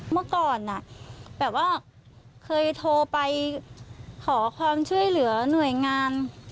เมื่อก่อนแบบว่าเคยโทรไปขอความช่วยเหลือหน่วยงาน